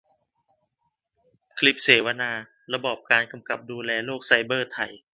คลิปเสวนา : ระบอบการกำกับดูแลโลกไซเบอร์ไทย